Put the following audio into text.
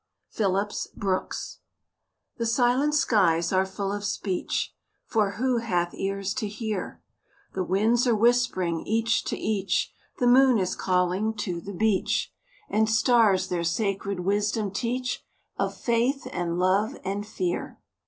PHILLIPS BROOKS. The silent skies are full of speech, For who hath ears to hear; The winds are whispering each to each; The moon is calling to the beach; And stars their sacred wisdom teach Of Faith and Love and Fear.